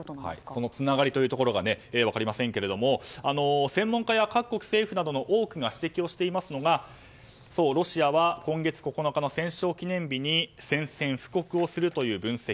そのつながりが分かりませんが専門家や各国政府の多くが指摘をしているのがロシアは今月９日の戦勝記念日に宣戦布告をするという分析。